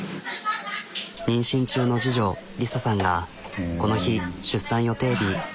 妊娠中の次女莉沙さんがこの日出産予定日。